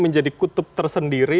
menjadi kutub tersendiri